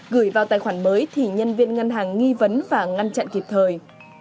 gửi vào tài khoản mới thì nhân viên ngân hàng nghi vấn và ngăn chặn kịp thời